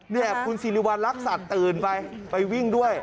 นี่คุณศิริวารรักษาตื่นไปไปวิ่งด้วย